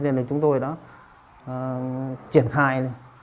thế nên là chúng tôi đã triển khai